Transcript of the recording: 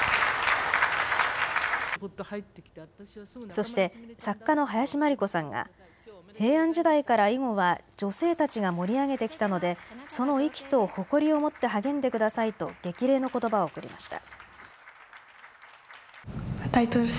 そして作家の林真理子さんが平安時代から囲碁は女性たちが盛り上げてきたので、その意気と誇りを持って励んでくださいと激励のことばを贈りました。